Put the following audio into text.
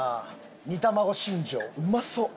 煮玉子しんじょううまそう！